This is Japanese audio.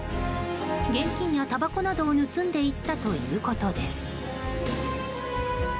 現金や、たばこなどを盗んでいったということです。